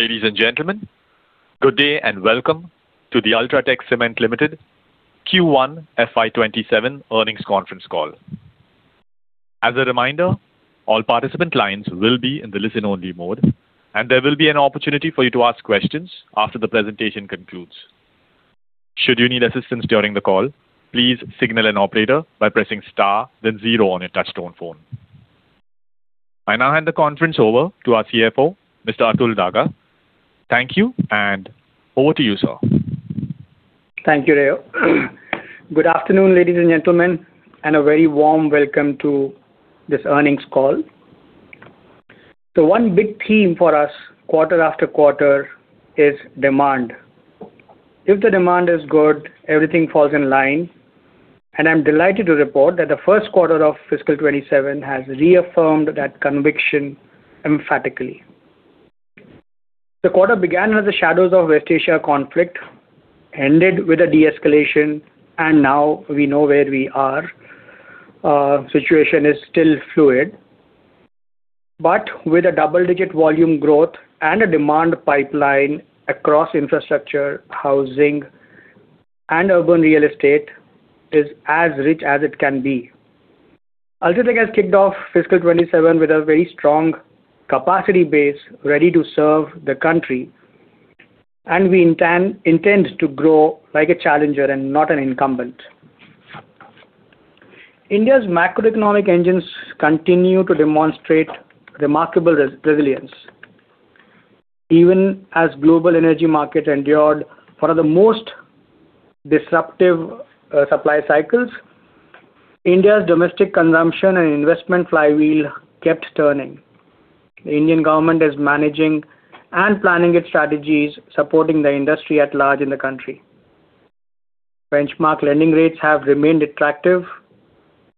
Ladies and gentlemen, good day and welcome to the UltraTech Cement Limited Q1 FY 2027 earnings conference call. As a reminder, all participant lines will be in the listen-only mode, and there will be an opportunity for you to ask questions after the presentation concludes. Should you need assistance during the call, please signal an operator by pressing star then zero on your touch-tone phone. I now hand the conference over to our CFO, Mr. Atul Daga. Thank you, and over to you, sir. Thank you, Ray. Good afternoon, ladies and gentlemen, and a very warm welcome to this earnings call. One big theme for us quarter-after-quarter is demand. If the demand is good, everything falls in line, and I'm delighted to report that the first quarter of fiscal 2027 has reaffirmed that conviction emphatically. The quarter began with the shadows of West Asia conflict, ended with a de-escalation, and now we know where we are. Situation is still fluid, but with a double-digit volume growth and a demand pipeline across infrastructure, housing, and urban real estate is as rich as it can be. UltraTech has kicked off fiscal 2027 with a very strong capacity base ready to serve the country, and we intend to grow like a challenger and not an incumbent. India's macroeconomic engines continue to demonstrate remarkable resilience. Even as global energy market endured one of the most disruptive supply cycles, India's domestic consumption and investment flywheel kept turning. The Indian government is managing and planning its strategies, supporting the industry at large in the country. Benchmark lending rates have remained attractive,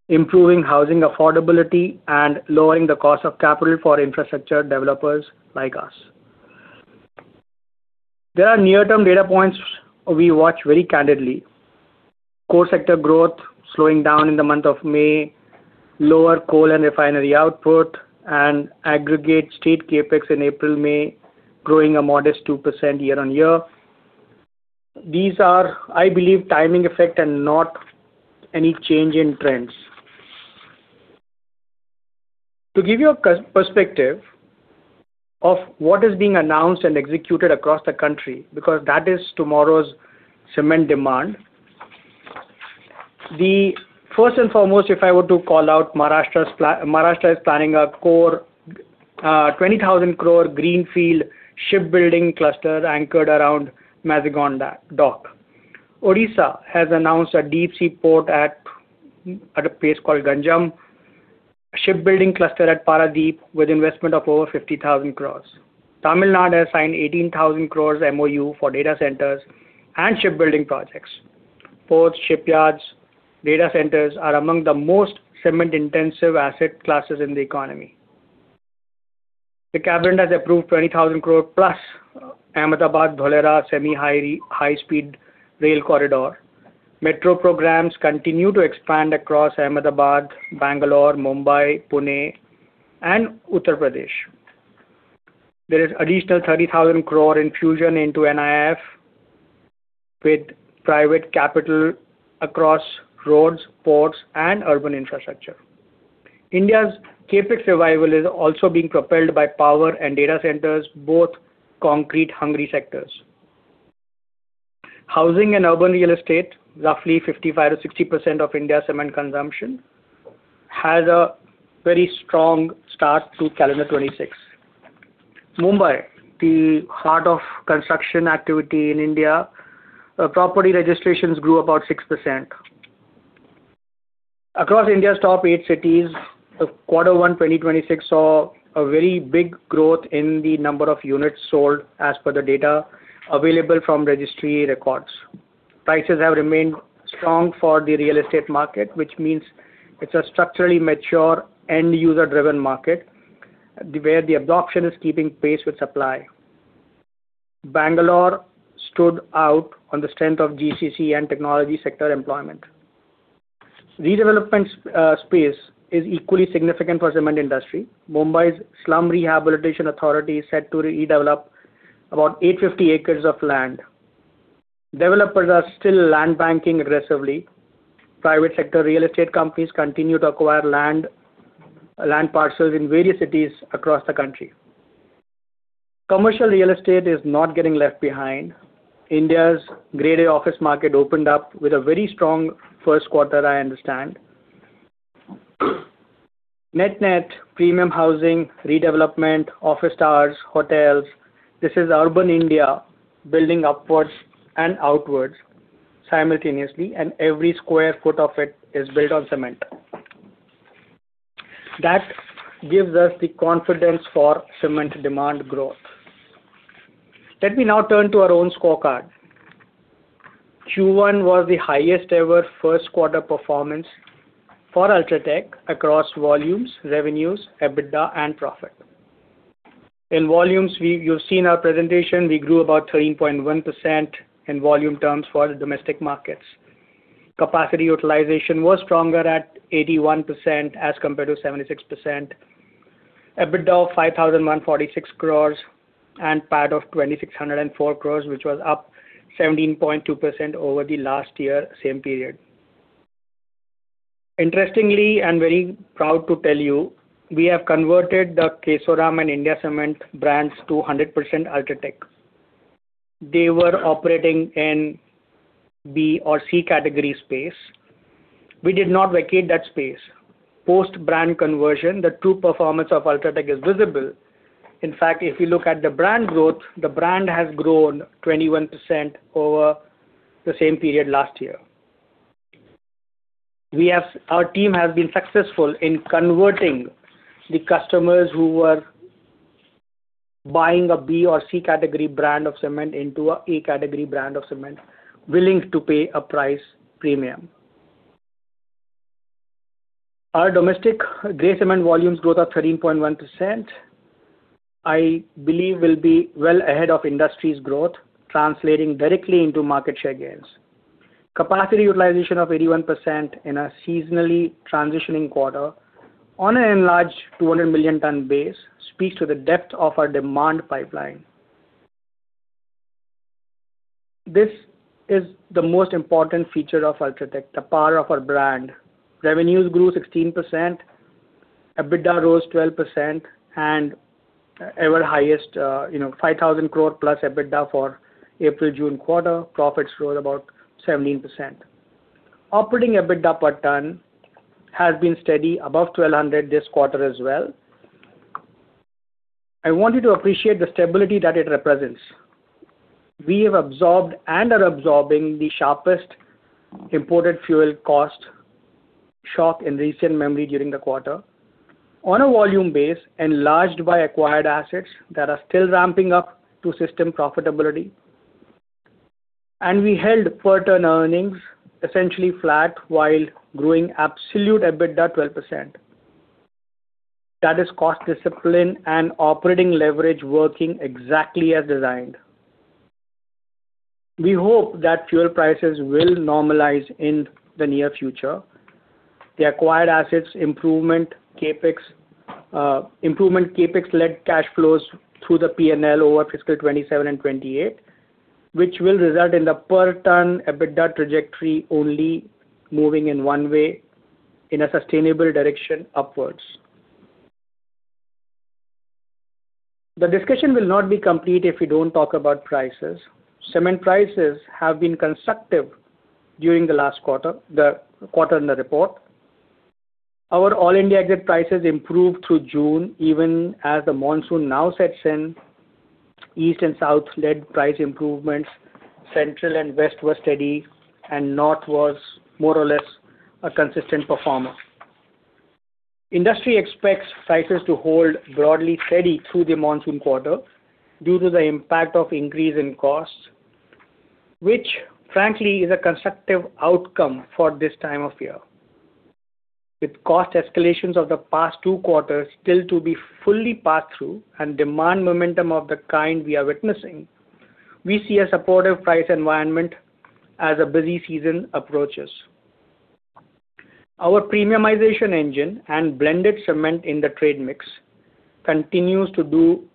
improving housing affordability and lowering the cost of capital for infrastructure developers like us. There are near-term data points we watch very candidly. Core sector growth slowing down in the month of May, lower coal and refinery output, and aggregate state CapEx in April-May, growing a modest 2% year-on-year. These are, I believe, timing effect and not any change in trends. To give you a perspective of what is being announced and executed across the country, because that is tomorrow's cement demand. First and foremost, if I were to call out, Maharashtra is planning a 20,000 crore greenfield shipbuilding cluster anchored around Mazagon Dock. Odisha has announced a deep seaport at a place called Ganjam, a shipbuilding cluster at Paradip with investment of over 50,000 crore. Tamil Nadu has signed 18,000 crore MOU for data centers and shipbuilding projects. Ports, shipyards, data centers are among the most cement-intensive asset classes in the economy. The Cabinet has approved 20,000 crore plus Ahmedabad–Dholera semi-high-speed rail corridor. Metro programs continue to expand across Ahmedabad, Bangalore, Mumbai, Pune, and Uttar Pradesh. There is additional 30,000 crore infusion into NIIF with private capital across roads, ports, and urban infrastructure. India's CapEx revival is also being propelled by power and data centers, both concrete-hungry sectors. Housing and urban real estate, roughly 55%-60% of India's cement consumption, has a very strong start to calendar 2026. Mumbai, the heart of construction activity in India, property registrations grew about 6%. Across India's top eight cities, the quarter one 2026 saw a very big growth in the number of units sold as per the data available from registry records. Prices have remained strong for the real estate market, which means it's a structurally mature end user-driven-market where the adoption is keeping pace with supply. Bangalore stood out on the strength of GCC and technology sector employment. Redevelopment space is equally significant for cement industry. Mumbai's Slum Rehabilitation Authority is set to redevelop about 850 acres of land. Developers are still land banking aggressively. Private sector real estate companies continue to acquire land parcels in various cities across the country. Commercial real estate is not getting left behind. India's Grade A office market opened up with a very strong first quarter, I understand. Net-net premium housing, redevelopment, office towers, hotels. This is urban India building upwards and outwards simultaneously, and every square foot of it is built on cement. That gives us the confidence for cement demand growth. Let me now turn to our own scorecard. Q1 was the highest ever first quarter performance for UltraTech across volumes, revenues, EBITDA, and profit. In volumes, you've seen our presentation. We grew about 13.1% in volume terms for the domestic markets. Capacity utilization was stronger at 81% as compared to 76%. EBITDA of 5,146 crores and PAT of 2,604 crores, which was up 17.2% over the last year, same period. Interestingly, very proud to tell you, we have converted the Kesoram and India Cements brands to 100% UltraTech. They were operating in B or C category space. We did not vacate that space. Post-brand conversion, the true performance of UltraTech is visible. In fact, if you look at the brand growth, the brand has grown 21% over the same period last year. Our team has been successful in converting the customers who were buying a B or C category brand of cement into an A category brand of cement, willing to pay a price premium. Our domestic grey cement volumes growth of 13.1%, I believe will be well ahead of industry's growth, translating directly into market share gains. Capacity utilization of 81% in a seasonally transitioning quarter on an enlarged 200 million ton base speaks to the depth of our demand pipeline. This is the most important feature of UltraTech, the power of our brand. Revenues grew 16%, EBITDA rose 12% ever highest, 5,000 crore plus EBITDA for April-June quarter. Profits rose about 17%. Operating EBITDA per ton has been steady above 1,200 this quarter as well. I want you to appreciate the stability that it represents. We have absorbed and are absorbing the sharpest imported fuel cost shock in recent memory during the quarter. On a volume base enlarged by acquired assets that are still ramping-up to system profitability, we held per ton earnings essentially flat while growing absolute EBITDA 12%. That is cost discipline and operating leverage working exactly as designed. We hope that fuel prices will normalize in the near future. The acquired assets improvement CapEx led cash flows through the P&L over fiscal 2027 and 2028, which will result in the per-ton-EBITDA trajectory only moving in one way in a sustainable direction upwards. The discussion will not be complete if we don't talk about prices. Cement prices have been constructive during the quarter in the report. Our All India exit prices improved through June, even as the monsoon now sets in. East and South led price improvements, Central and West were steady. North was more or less a consistent performer. Industry expects prices to hold broadly steady through the monsoon quarter due to the impact of increase in costs, which frankly is a constructive outcome for this time of year. With cost escalations of the past two quarters still to be fully passed through and demand momentum of the kind we are witnessing, we see a supportive price environment as the busy season approaches. Our premiumization engine and blended cement in the trade mix continues to do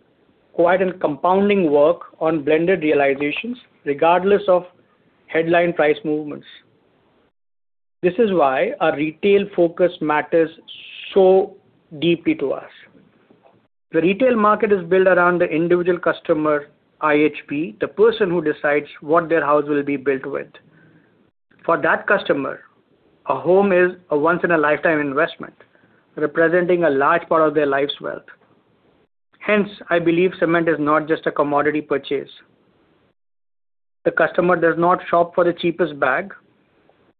quite a compounding work on blended realizations regardless of headline price movements. This is why our retail focus matters so deeply to us. The retail market is built around the individual customer, IHP, the person who decides what their house will be built with. For that customer, a home is a once in a lifetime investment, representing a large part of their life's wealth. Hence, I believe cement is not just a commodity purchase. The customer does not shop for the cheapest bag.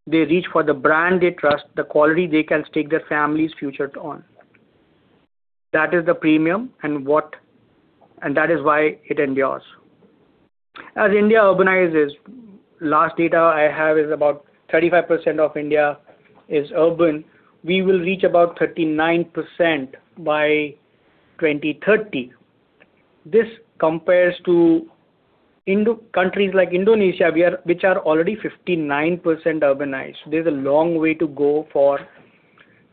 They reach for the brand they trust, the quality they can stake their family's future on. That is the premium and that is why it endures. As India urbanizes, last data I have is about 35% of India is urban, we will reach about 39% by 2030. This compares to countries like Indonesia, which are already 59% urbanized. There is a long way to go for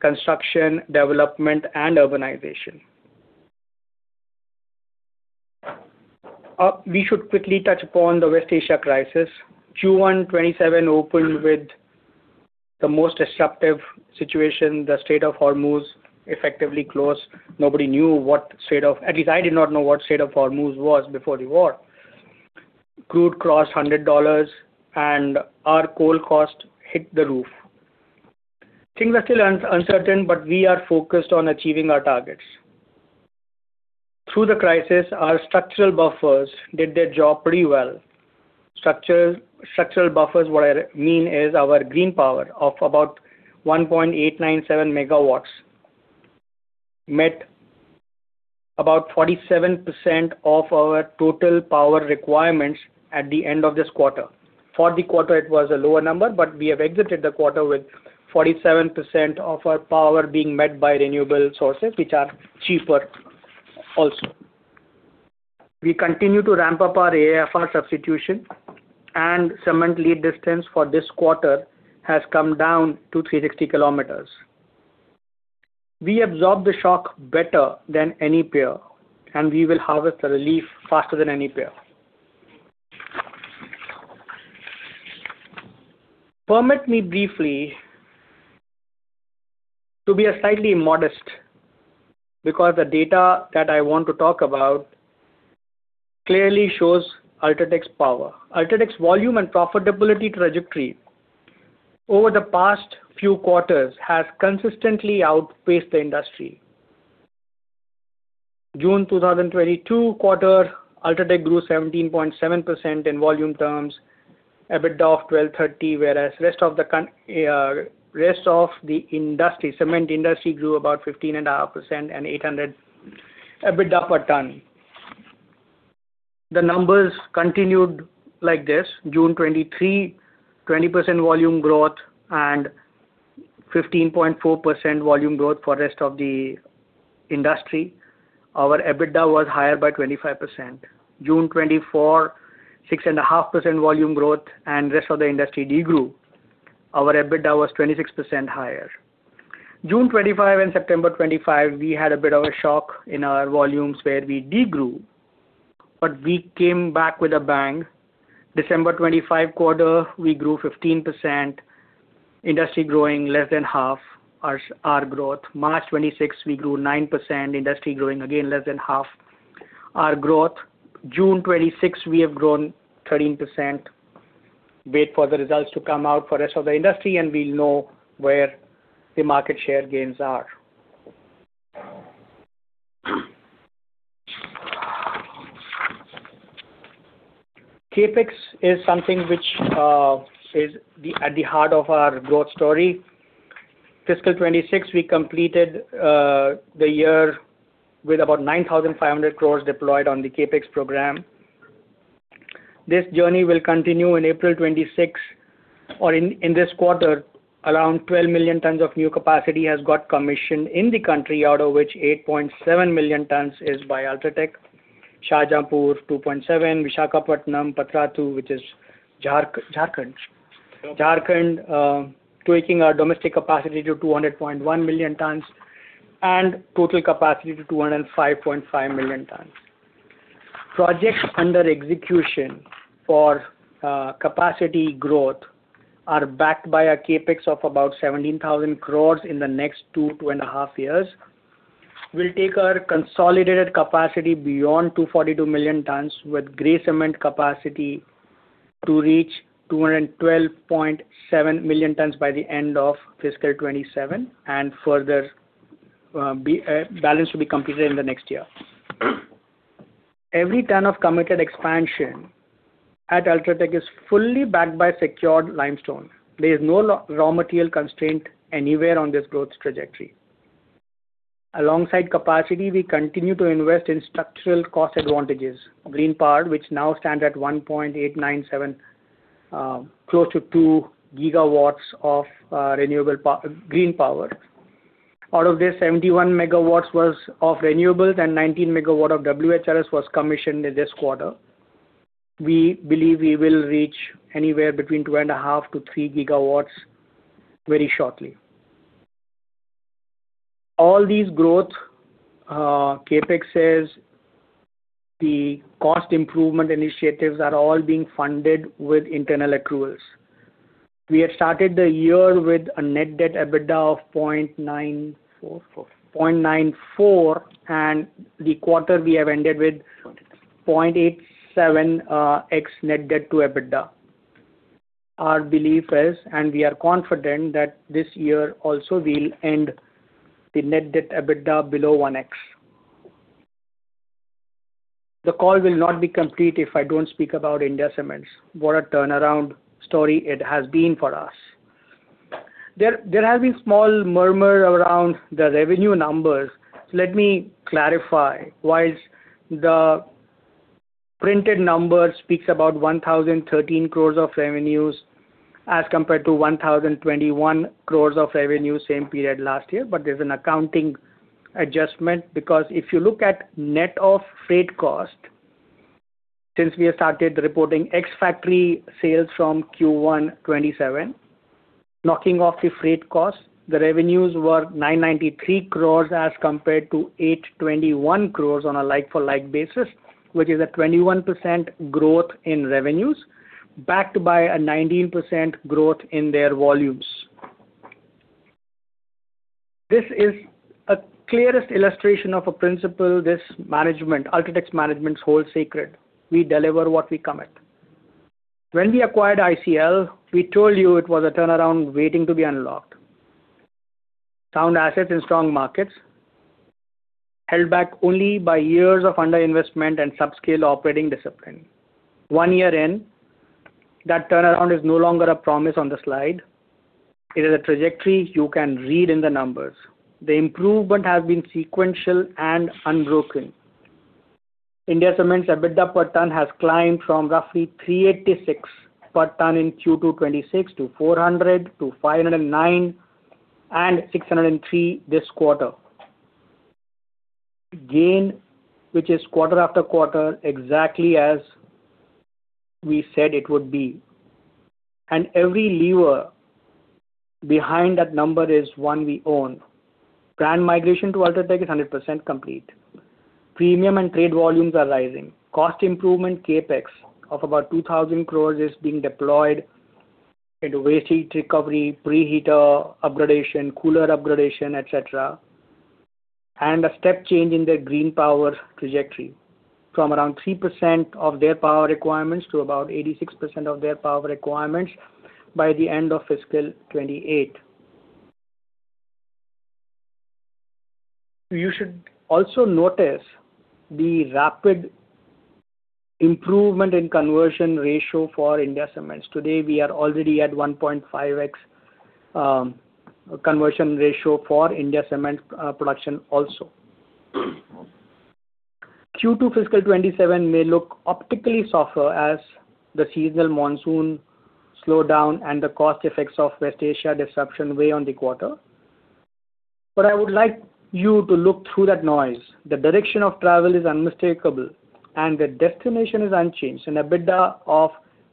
construction, development, and urbanization. We should quickly touch upon the West Asia crisis. Q1 2027 opened with the most disruptive situation. The Strait of Hormuz effectively closed. Nobody knew what Strait of Hormuz was before the war. Crude crossed $100 and our coal cost hit the roof. Things are still uncertain, we are focused on achieving our targets. Through the crisis, our structural buffers did their job pretty well. Structural buffers, what I mean is our green power of about 1.897 MW met about 47% of our total power requirements at the end of this quarter. For the quarter, it was a lower number, we have exited the quarter with 47% of our power being met by renewable sources, which are cheaper also. We continue to ramp-up our AFR substitution and cement lead distance for this quarter has come down to 360 km. We absorb the shock better than any peer, we will harvest the relief faster than any peer. Permit me briefly to be slightly modest, because the data that I want to talk about clearly shows UltraTech's power. UltraTech's volume and profitability trajectory over the past few quarters has consistently outpaced the industry. June 2022 quarter, UltraTech grew 17.7% in volume terms, EBITDA of 1,230, whereas rest of the cement industry grew about 15.5% and 800 EBITDA per ton. The numbers continued like this. June 2023, 20% volume growth and 15.4% volume growth for rest of the industry. Our EBITDA was higher by 25%. June 2024, 6.5% volume growth and rest of the industry de-grew. Our EBITDA was 26% higher. June 2025 and September 2025, we had a bit of a shock in our volumes where we de-grew. We came back with a bang. December 2025 quarter, we grew 15%, industry growing less than half our growth. March 2026, we grew 9%, industry growing again less than half our growth. June 2026, we have grown 13%. Wait for the results to come out for rest of the industry. We'll know where the market share gains are. CapEx is something which is at the heart of our growth story. Fiscal 2026, we completed the year with about 9,500 crore deployed on the CapEx program. This journey will continue in April 2026 or in this quarter, around 12 million tonnes of new capacity has got commission in the country, out of which 8.7 million tonnes is by UltraTech. Shahjahanpur 2.7 million tonnes, Visakhapatnam, Patratu, which is Jharkhand. Jharkhand, tweaking our domestic capacity to 200.1 million tonnes and total capacity to 205.5 million tonnes. Projects under execution for capacity growth are backed by a CapEx of about 17,000 crore in the next two to two and a half years, will take our consolidated capacity beyond 242 million tonnes, with grey cement capacity to reach 212.7 million tonnes by the end of fiscal 2027, and further balance will be completed in the next year. Every tonne of committed expansion at UltraTech is fully backed by secured limestone. There is no raw material constraint anywhere on this growth trajectory. Alongside capacity, we continue to invest in structural cost advantages. Green power, which now stands at 1.897 MW, close to 2 GW of green power. Out of this, 71 MW was of renewables and 19 MW of WHRS was commissioned in this quarter. We believe we will reach anywhere between 2.5 GW to 3 GW very shortly. All these growth, CapExes, the cost improvement initiatives are all being funded with internal accruals. We had started the year with a net debt-to-EBITDA of 0.94x, and the quarter we have ended with 0.87x net debt-to-EBITDA. Our belief is, we are confident that this year also we'll end the net debt-to-EBITDA below 1x. The call will not be complete if I don't speak about India Cements. What a turnaround story it has been for us. There has been small murmur around the revenue numbers. Let me clarify. Whilst the printed number speaks about 1,013 crore of revenues as compared to 1,021 crore of revenue same period last year. There's an accounting adjustment, because if you look at net of freight cost, since we have started reporting ex-factory sales from Q1 2027, knocking off the freight cost, the revenues were 993 crore as compared to 821 crore on a like-for-like basis, which is a 21% growth in revenues, backed by a 19% growth in their volumes. This is the clearest illustration of a principle this management, UltraTech's management holds sacred. We deliver what we commit. When we acquired ICL, we told you it was a turnaround waiting to be unlocked. Sound assets in strong markets, held back only by years of under-investment and subscale operating discipline. One year in, that turnaround is no longer a promise on the slide. It is a trajectory you can read in the numbers. The improvement has been sequential and unbroken. India Cements EBITDA per ton has climbed from roughly 386 per ton in Q2 2026 to 400 to 509 and 603 this quarter. Gain, which is quarter-after-quarter, exactly as we said it would be. Every lever behind that number is one we own. Brand migration to UltraTech is 100% complete. Premium and trade volumes are rising. Cost improvement CapEx of about 2,000 crore is being deployed into waste heat recovery, preheater upgradation, cooler upgradation, et cetera, and a step change in their green power trajectory from around 3% of their power requirements to about 86% of their power requirements by the end of fiscal 2028. You should also notice the rapid improvement in conversion ratio for India Cements. Today, we are already at 1.5x conversion ratio for India Cements production also. Q2 fiscal 2027 may look optically softer as the seasonal monsoon slow down and the cost effects of West Asia disruption weigh on the quarter. I would like you to look through that noise. The direction of travel is unmistakable, and the destination is unchanged. An EBITDA of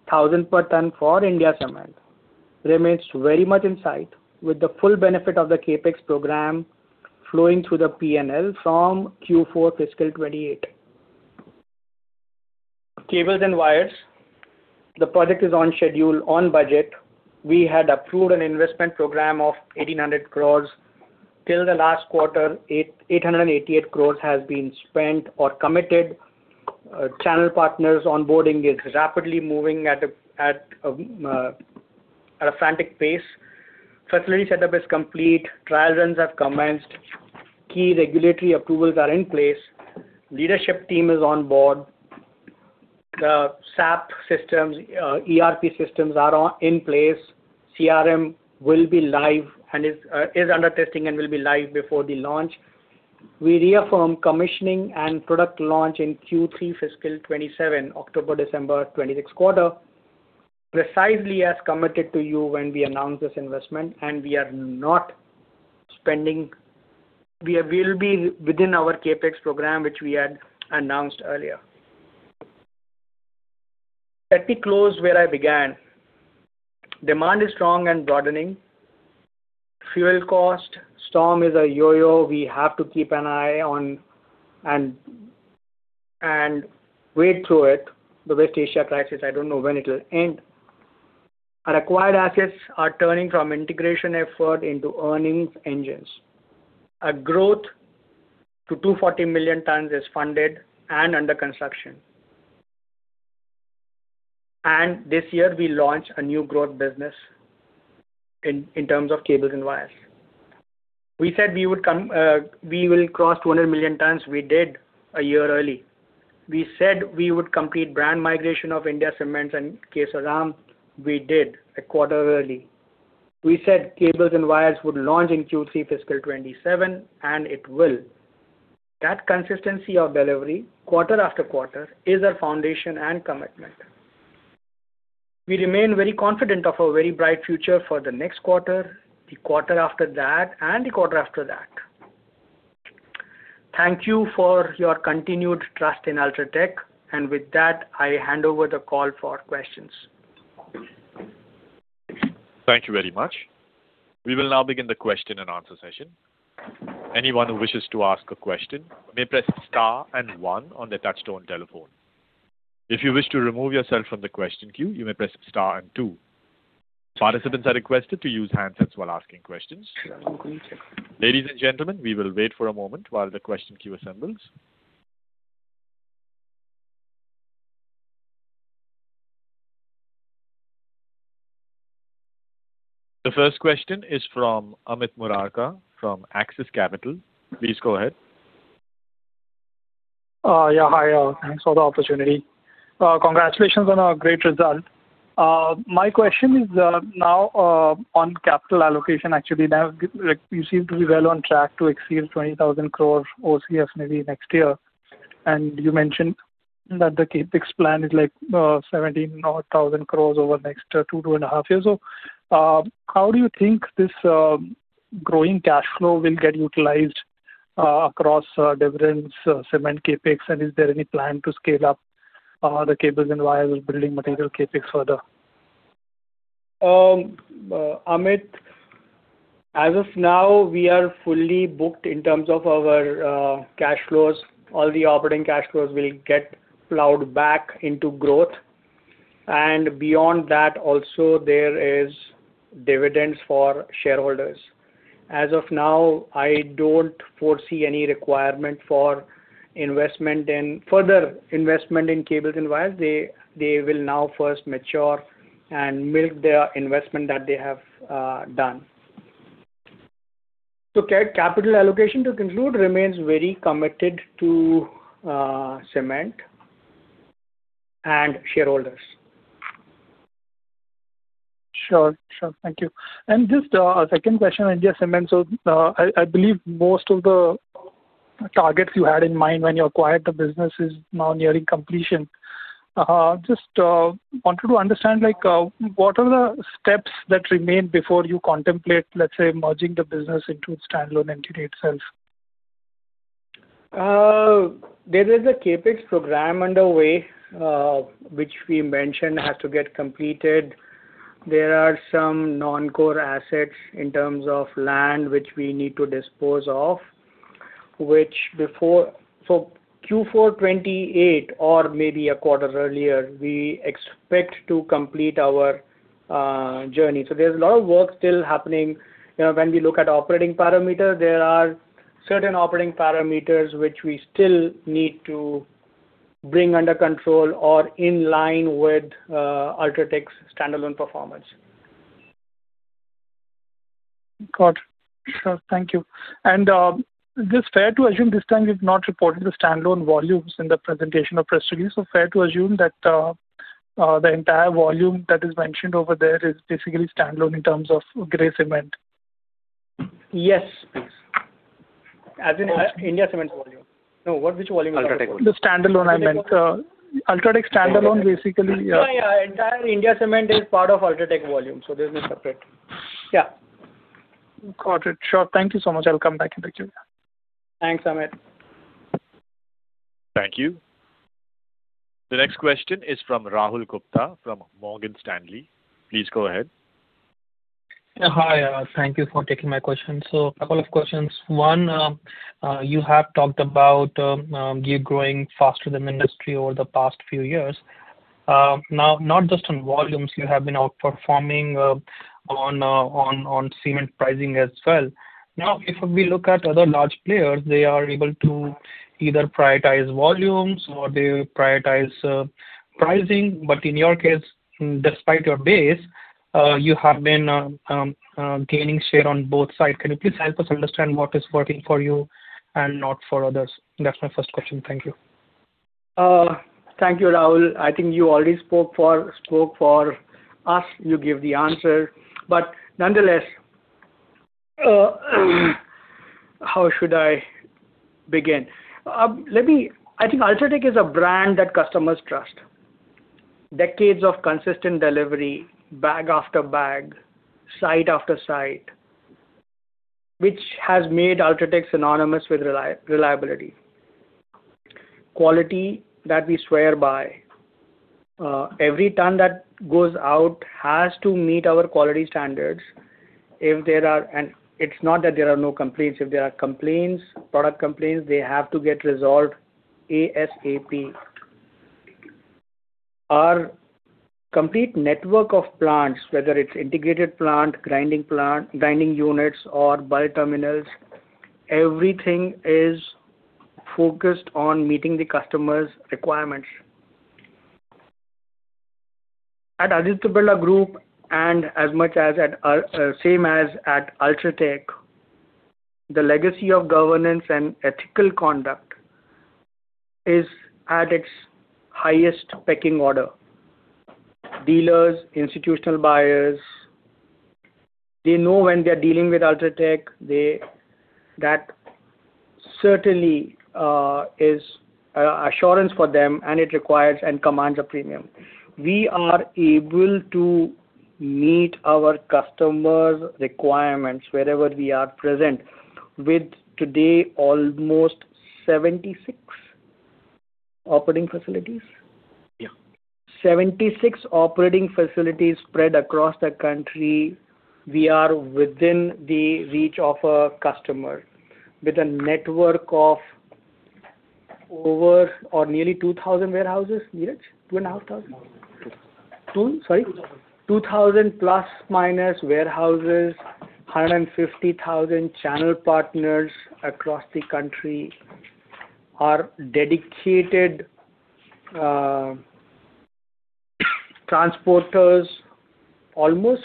1,000 per ton for India Cements remains very much in sight with the full benefit of the CapEx program flowing through the P&L from Q4 fiscal 2028. Cables & Wires, the project is on schedule, on budget. We had approved an investment program of 1,800 crore. Till the last quarter, 888 crore has been spent or committed. Channel partners onboarding is rapidly moving at a frantic pace. Facility set up is complete. Trial runs have commenced. Key regulatory approvals are in place. Leadership team is on board. The SAP systems, ERP systems are in place. CRM will be live and is under testing and will be live before the launch. We reaffirm commissioning and product launch in Q3 fiscal 2027, October-December 2026 quarter, precisely as committed to you when we announced this investment. We will be within our CapEx program, which we had announced earlier. Let me close where I began. Demand is strong and broadening. Fuel cost storm is a yo-yo we have to keep an eye on and wade through it. The West Asia crisis, I don't know when it'll end. Our acquired assets are turning from integration effort into earnings engines. A growth to 240 million tonnes is funded and under construction. This year we launch a new growth business in terms of Cables & Wires. We said we will cross 200 million tonnes, we did a year early. We said we would complete brand migration of India Cements and Kesoram, we did a quarter early. We said Cables & Wires would launch in Q3 fiscal 2027, and it will. That consistency of delivery quarter-after-quarter is our foundation and commitment. We remain very confident of a very bright future for the next quarter, the quarter after that, and the quarter after that. Thank you for your continued trust in UltraTech, and with that, I hand over the call for questions. Thank you very much. We will now begin the question-and-answer session. Anyone who wishes to ask a question may press star and one on their touch-tone telephone. If you wish to remove yourself from the question queue, you may press star and two. Participants are requested to use handsets while asking questions. Sure. Ladies and gentlemen, we will wait for a moment while the question queue assembles. The first question is from Amit Murarka from Axis Capital. Please go ahead. Yeah. Hi. Thanks for the opportunity. Congratulations on a great result. My question is now on capital allocation, actually. You seem to be well on track to exceed 20,000 crore OCF maybe next year. You mentioned that the CapEx plan is like 17,000 crore over the next two and a half years. How do you think this growing cash flow will get utilized across dividends, cement CapEx, and is there any plan to scale up the Cables & Wires building material CapEx further? Amit, as of now, we are fully booked in terms of our cash flows. All the operating cash flows will get plowed back into growth. Beyond that, also, there is dividends for shareholders. As of now, I don't foresee any requirement for further investment in Cables & Wires. They will now first mature and milk their investment that they have done. Capital allocation, to conclude, remains very committed to Cement and shareholders. Sure. Thank you. Just a second question on India Cements. I believe most of the targets you had in mind when you acquired the business is now nearing completion. Just wanted to understand what are the steps that remain before you contemplate, let's say, merging the business into standalone entity itself? There is a CapEx program underway which we mentioned has to get completed. There are some non-core assets in terms of land, which we need to dispose off. Q4 2028 or maybe a quarter earlier, we expect to complete our journey. There's a lot of work still happening. When we look at operating parameters, there are certain operating parameters which we still need to bring under control or in-line with UltraTech's standalone performance. Got it. Sure. Thank you. Is this fair to assume this time you've not reported the standalone volumes in the presentation of press release? Fair to assume that the entire volume that is mentioned over there is basically standalone in terms of grey cement? Yes, please. As in India Cements volume. No, which volume you're talking about? The standalone, I meant. UltraTech standalone, basically, yeah. Yeah. Entire India Cements is part of UltraTech volume. There's no separate. Yeah. Got it. Sure. Thank you so much. I'll come back in the queue. Thanks, Amit. Thank you. The next question is from Rahul Gupta from Morgan Stanley. Please go ahead. Hi, thank you for taking my question. A couple of questions. You have talked about you growing faster than industry over the past few years. Not just on volumes you have been outperforming on cement pricing as well. If we look at other large players, they are able to either prioritize volumes or they prioritize pricing. In your case, despite your base, you have been gaining share on both sides. Can you please help us understand what is working for you and not for others? That's my first question. Thank you. Thank you, Rahul. I think you already spoke for us. You give the answer. Nonetheless, how should I begin? I think UltraTech is a brand that customers trust. Decades of consistent delivery, bag-after-bag, site-after-site, which has made UltraTech synonymous with reliability. Quality that we swear by. Every tonne that goes out has to meet our quality standards. It's not that there are no complaints. If there are complaints, product complaints, they have to get resolved ASAP. Our complete network of plants, whether it's integrated plant, grinding units, or bulk terminals, everything is focused on meeting the customer's requirements. At Aditya Birla Group and same as at UltraTech, the legacy of governance and ethical conduct is at its highest pecking order. Dealers, institutional buyers, they know when they're dealing with UltraTech, that certainly is assurance for them and it requires and commands a premium. We are able to meet our customers' requirements wherever we are present with today almost 76 operating facilities? Yeah. 76 operating facilities spread across the country. We are within the reach of a customer with a network of over or nearly 2,000 warehouses. Neeraj? 2,500? 2,000. 2000? Sorry. 2,000. 2,000± warehouses, 150,000 channel partners across the country. Our dedicated transporters, almost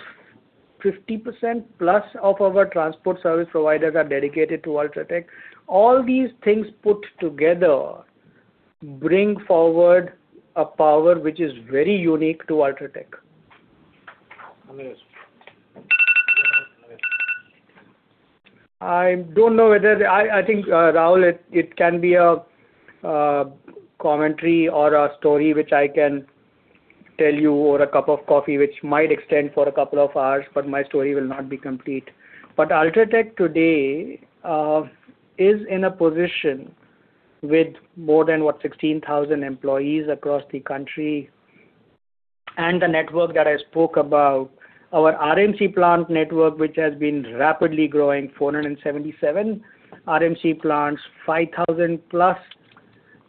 50%+ of our transport service providers are dedicated to UltraTech. All these things put together bring forward a power which is very unique to UltraTech. [inaudible] I don't know. I think, Rahul, it can be a commentary or a story which I can tell you over a cup of coffee, which might extend for a couple of hours, my story will not be complete. UltraTech today is in a position with more than, what, 16,000 employees across the country and the network that I spoke about. Our RMC plant network, which has been rapidly growing, 477 RMC plants, 5,000+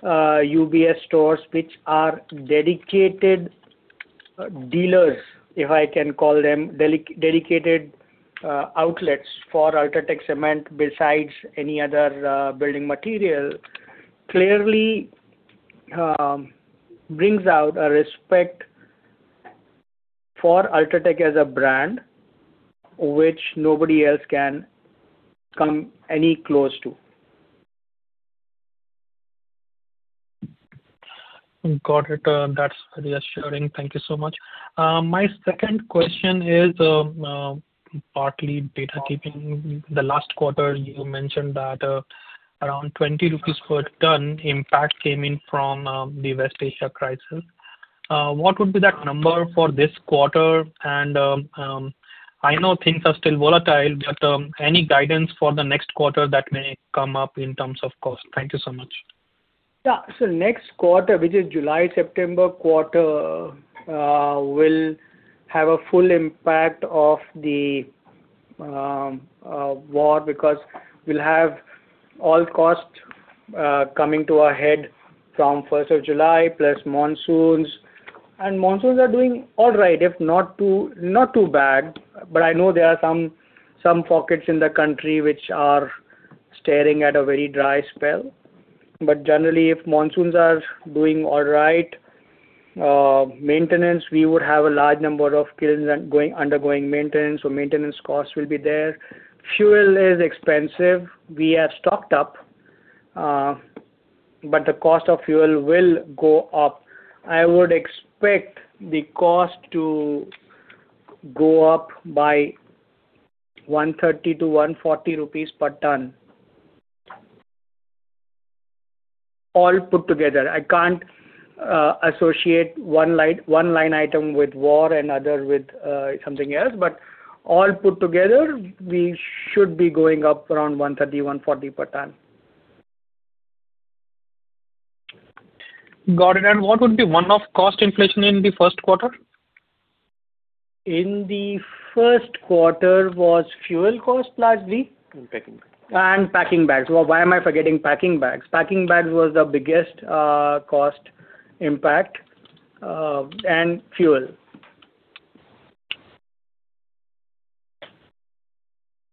UBS stores, which are dedicated dealers, if I can call them, dedicated outlets for UltraTech Cement besides any other building material, clearly brings out a respect for UltraTech as a brand which nobody else can come any close to. Got it. That's reassuring. Thank you so much. My second question is partly data keeping. The last quarter you mentioned that around 20 rupees per tonne impact came in from the West Asia crisis. What would be that number for this quarter? I know things are still volatile, but any guidance for the next quarter that may come up in terms of cost? Thank you so much. Yeah. Next quarter, which is July-September quarter, will have a full impact of the war because we'll have all costs coming to a head from 1st of July, plus monsoons. Monsoons are doing all right, if not too bad, but I know there are some pockets in the country which are staring at a very dry spell. Generally, if monsoons are doing all right, maintenance, we would have a large number of kilns undergoing maintenance, so maintenance costs will be there. Fuel is expensive. We are stocked up, but the cost of fuel will go up. I would expect the cost to go up by 130 to 140 rupees per tonne. All put together. I can't associate one line item with war and other with something else, but all put together, we should be going up around 130-140 per tonne. Got it. What would be one-off cost inflation in the first quarter? In the first quarter was fuel cost plus. Packing bags Packing bags. Why am I forgetting packing bags? Packing bags was the biggest cost impact, and fuel.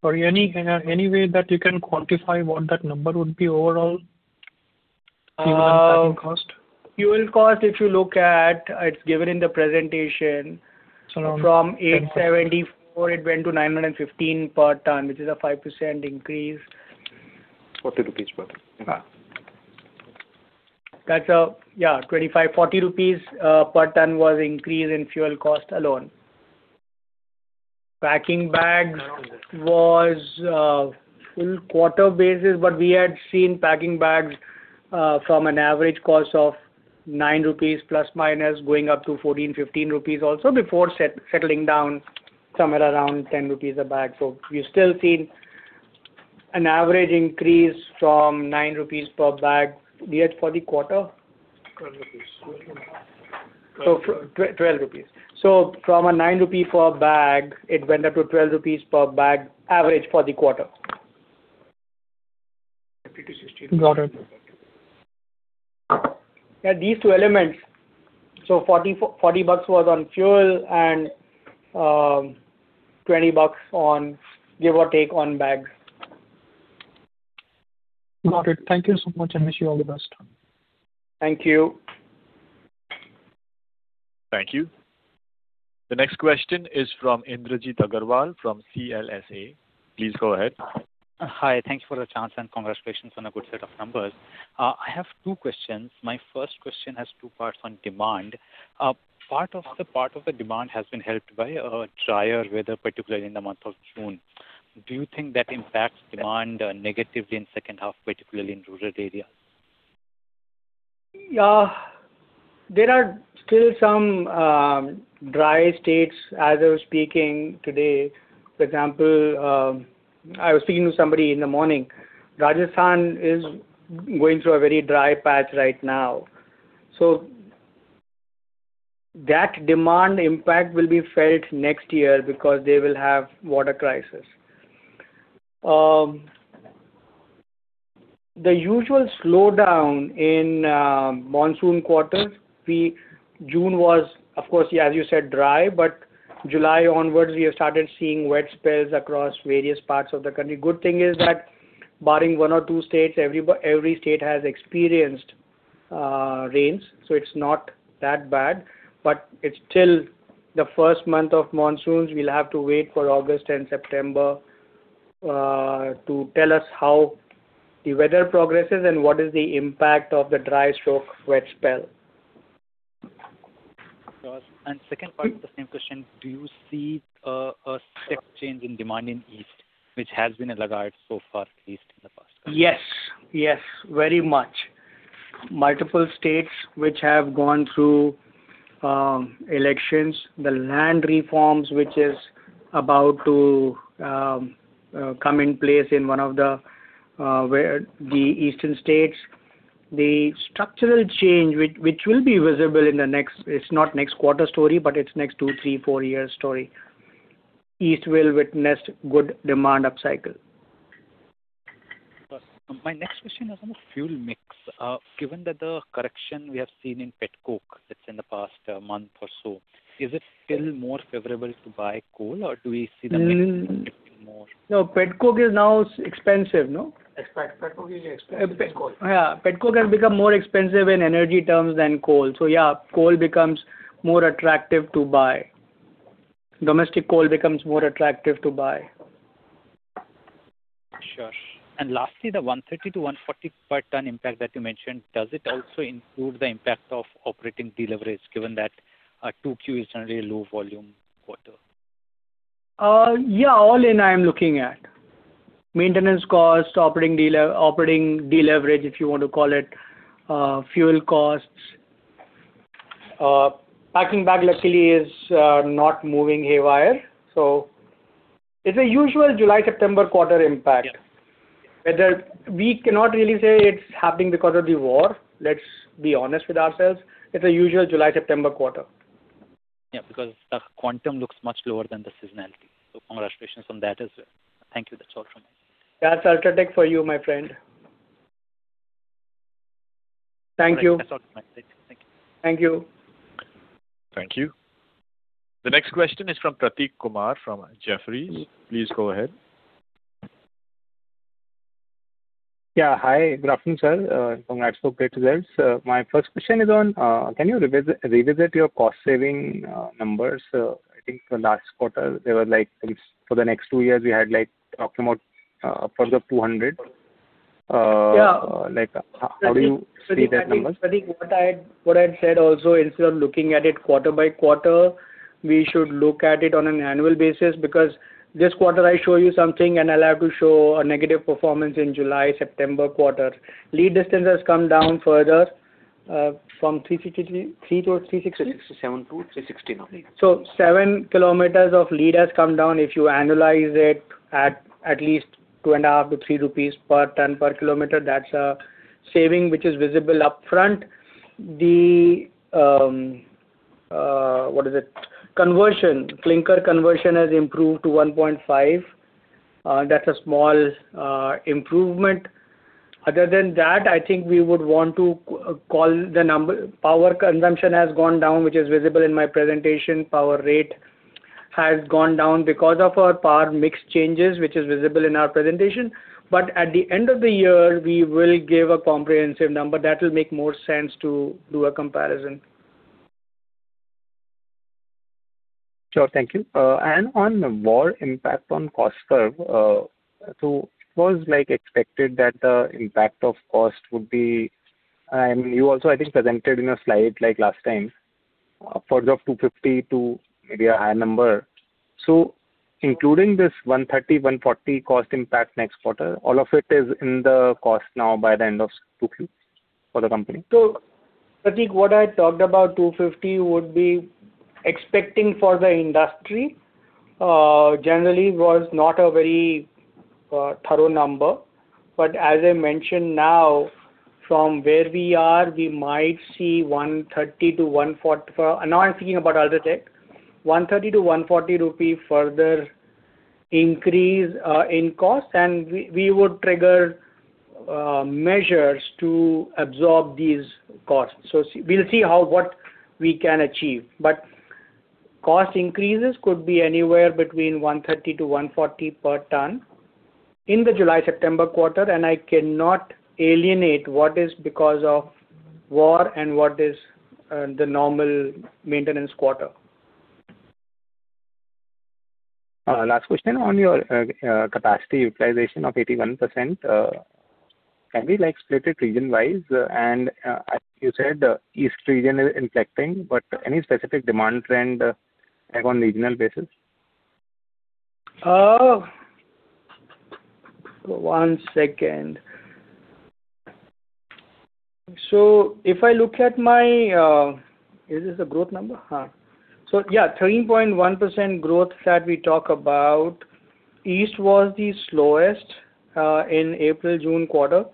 Sorry, any way that you can quantify what that number would be overall? Fuel and packing cost. Fuel cost, if you look at, it's given in the presentation. So around- From 874 it went to 915 per tonne, which is a 5% increase. 40 rupees per tonne. Yeah. 25-40 rupees per tonne was increase in fuel cost alone. Packing bags was full quarter basis, we had seen packing bags from an average cost of INR 9± going up to 14-15 rupees also before settling down somewhere around 10 rupees a bag. We've still seen an average increase from 9 rupees per bag. We had for the quarter? 12 rupees. 12 rupees. From a 9 rupee for a bag, it went up to 12 rupees per bag average for the quarter. Got it. Yeah, these two elements. 40 per tonne was on fuel and INR 20 on give or take on bags. Got it. Thank you so much, and wish you all the best. Thank you. Thank you. The next question is from Indrajit Agarwal from CLSA. Please go ahead. Hi. Thanks for the chance and congratulations on a good set of numbers. I have two questions. My first question has two parts on demand. Part of the demand has been helped by drier weather, particularly in the month of June. Do you think that impacts demand negatively in second half, particularly in rural areas? Yeah. There are still some dry states, as I was speaking today. For example, I was speaking to somebody in the morning. Rajasthan is going through a very dry patch right now. That demand impact will be felt next year because they will have water crisis. The usual slowdown in monsoon quarters. June was, of course, as you said, dry, but July onwards we have started seeing wet spells across various parts of the country. Good thing is that barring one or two states, every state has experienced rains, so it is not that bad. It is still the first month of monsoons. We will have to wait for August and September to tell us how the weather progresses and what is the impact of the dry stroke wet spell. Second part of the same question, do you see a step change in demand in East, which has been a laggard so far, at least in the past? Yes. Very much. Multiple states which have gone through elections, the land reforms which is about to come in place in one of the eastern states. The structural change which will be visible in the next, it is not next quarter story, but it is next two, three, four years story. East will witness good demand upcycle. My next question is on the fuel mix. Given that the correction we have seen in petcoke that is in the past month or so, is it still more favorable to buy coal or do we see the mix shifting more- No. Petcoke is now expensive, no? Petcoke is expensive than coal. Yeah. Petcoke has become more expensive in energy terms than coal. Yeah, coal becomes more attractive to buy. Domestic coal becomes more attractive to buy. Sure. Lastly, the 130- 140 per tonne impact that you mentioned, does it also include the impact of operating deleverage, given that 2Q is generally a low volume quarter? All in I am looking at. Maintenance cost, operating deleverage if you want to call it, fuel costs. Packing bag luckily is not moving haywire. It's a usual July, September quarter impact. Yeah. Whether we cannot really say it's happening because of the war, let's be honest with ourselves. It's a usual July-September quarter. Because the quantum looks much lower than the seasonality. Congratulations on that as well. Thank you. That's all from my end. That's UltraTech for you, my friend. Thank you. That's all from my side. Thank you. Thank you. Thank you. The next question is from Prateek Kumar from Jefferies. Please go ahead. Yeah. Hi, good afternoon, sir. Congrats, hope great results. My first question is on, can you revisit your cost-saving numbers? I think the last quarter, they were like for the next two years, we had talking about further 200 million tonnes. Yeah. How do you see that number? Prateek, what I had said also, instead of looking at it quarter-by-quarter, we should look at it on an annual basis because this quarter I show you something and I'll have to show a negative performance in July-September quarter. Lead distance has come down further from three to- INR 367 to INR 360 per tonne now. Seven km of lead has come down. If you annualize it at at least 2.5-3 rupees per tonne per kilometer, that's a saving which is visible upfront. The clinker conversion has improved to 1.5. That's a small improvement. Other than that, I think we would want to call the number. Power consumption has gone down, which is visible in my presentation. Power rate has gone down because of our power mix changes, which is visible in our presentation. At the end of the year, we will give a comprehensive number that will make more sense to do a comparison. Sure. Thank you. On war impact on cost curve, it was expected that the impact of cost would be, and you also, I think, presented in a slide last time, further of 250 million tonnes to maybe a higher number. Including this 130-140 per tonne cost impact next quarter, all of it is in the cost now by the end of 2Q for the company. Prateek, what I talked about 250 million tonnes would be expecting for the industry, generally was not a very thorough number. As I mentioned now, from where we are, we might see 130- 140 per tonne. Now I'm thinking about UltraTech Cement. 130-140 rupee per tonne further increase in cost, we would trigger measures to absorb these costs. We'll see what we can achieve. Cost increases could be anywhere between 130- 140 per tonne in the July-September quarter, I cannot alienate what is because of war and what is the normal maintenance quarter. Last question on your capacity utilization of 81%. Can we split it region-wise? As you said, East region is impacting, any specific demand trend on regional basis? One second. If I look at my-- Is this the growth number? Yeah, 13.1% growth that we talk about. East was the slowest in April-June quarter,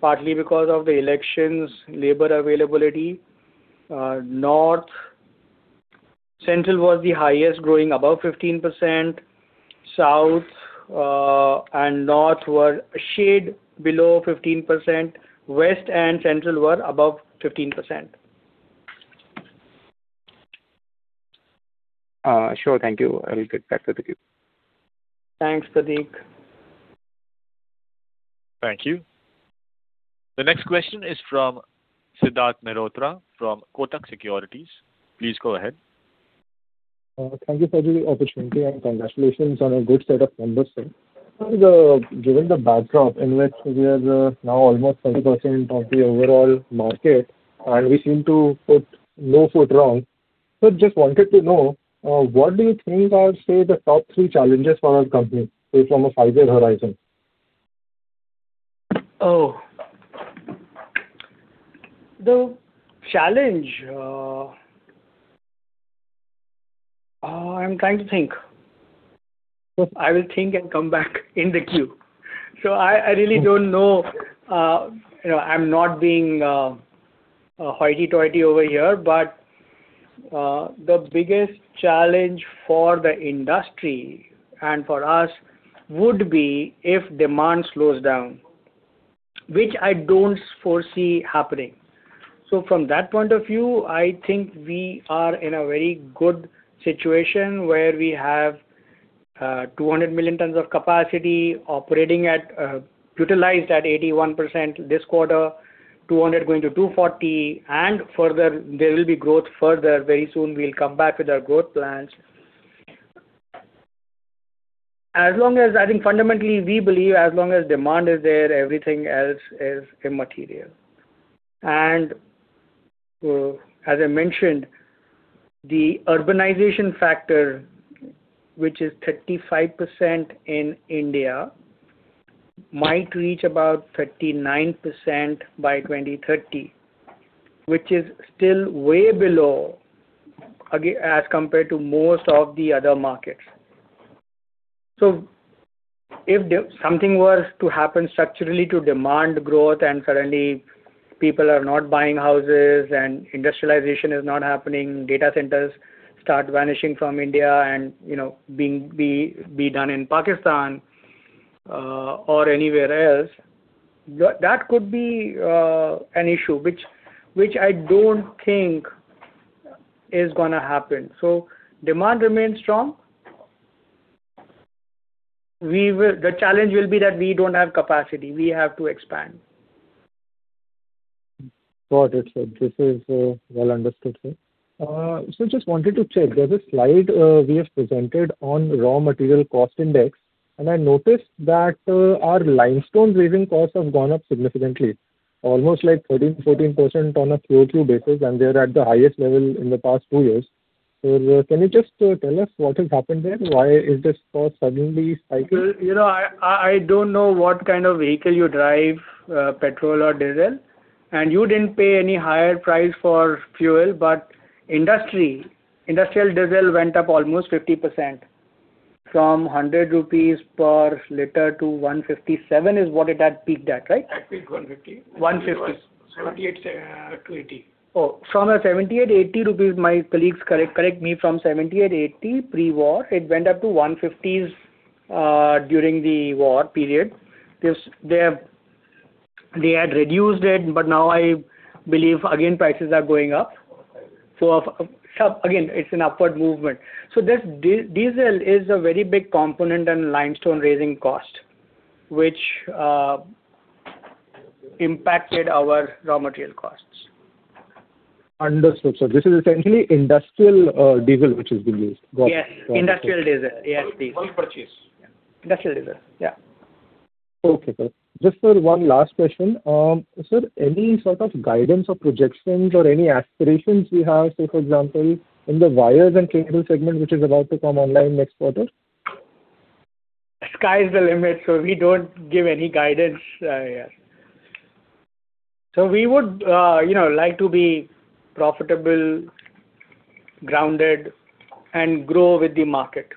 partly because of the elections, labor availability. Central was the highest, growing above 15%. South and North were a shade below 15%. West and Central were above 15%. Sure. Thank you. I will get back to the queue. Thanks, Prateek. Thank you. The next question is from Siddharth Mehrotra from Kotak Securities. Please go ahead. Thank you for the opportunity and congratulations on a good set of numbers, sir. Given the backdrop in which we are now almost 30% of the overall market, and we seem to put no foot wrong. Just wanted to know, what do you think are, say, the top three challenges for our company, say from a five-year horizon? The challenge. I am trying to think. I will think and come back in the queue. I really do not know. I am not being hoity-toity over here, but the biggest challenge for the industry and for us would be if demand slows down, which I do not foresee happening. From that point of view, I think we are in a very good situation where we have 200 million tonnes of capacity utilized at 81% this quarter, 200 million tonnes going to 240 million tonnes, and further there will be growth further very soon. We will come back with our growth plans. As long as I think fundamentally we believe as long as demand is there, everything else is immaterial. As I mentioned, the urbanization factor, which is 35% in India, might reach about 39% by 2030, which is still way below as compared to most of the other markets. If something were to happen structurally to demand growth, suddenly people are not buying houses and industrialization is not happening, data centers start vanishing from India and being done in Pakistan, or anywhere else, that could be an issue which I do not think is going to happen. Demand remains strong. The challenge will be that we do not have capacity. We have to expand. Got it, sir. This is well understood, sir. Sir, just wanted to check. There is a slide we have presented on raw material cost index, I noticed that our limestone raising costs have gone up significantly, almost 13%, 14% on a quarter-over-quarter basis, and they are at the highest level in the past two years. Sir, can you just tell us what has happened there? Why is this cost suddenly spiking? I do not know what kind of vehicle you drive, petrol or diesel, you did not pay any higher price for fuel, industrial diesel went up almost 50%, from 100 rupees per liter to 157 per liter is what it had peaked at, right? It had peaked 150 per liter. 78 to 80 per liter. From a 78- 80 rupees per liter, my colleagues correct me, from 78-80 per liter pre-war, it went up to 150 per liter during the war period. They had reduced it, now I believe again prices are going up. Again, it is an upward movement. This diesel is a very big component in limestone raising cost, which impacted our raw material costs. Understood, sir. This is essentially industrial diesel which is being used. Got it. Yes, industrial diesel. Yes. Diesel. Oil purchase. Industrial diesel. Yeah. Okay, sir. Just, sir, one last question. Sir, any sort of guidance or projections or any aspirations we have, say, for example, in the Wires and Cable segment, which is about to come online next quarter? Sky's the limit, we don't give any guidance. We would like to be profitable, grounded, and grow with the market.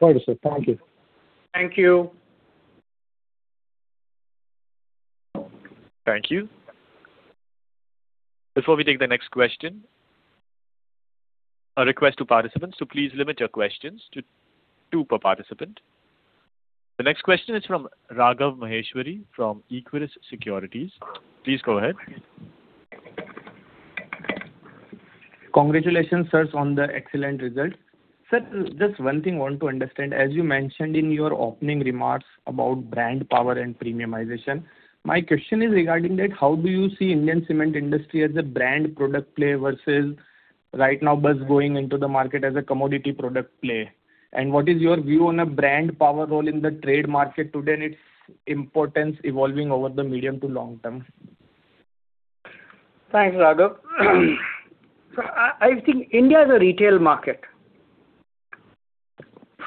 Got it, sir. Thank you. Thank you. Thank you. Before we take the next question, a request to participants to please limit your questions to two per participant. The next question is from Raghav Maheshwari from Equirus Securities. Please go ahead. Congratulations, sirs, on the excellent results. Sir, just one thing want to understand, as you mentioned in your opening remarks about brand power and premiumization. My question is regarding that. How do you see Indian cement industry as a brand product play versus right now just going into the market as a commodity product play? What is your view on a brand power role in the trade market today and its importance evolving over the medium- to long-term? Thanks, Raghav. I think India is a retail market.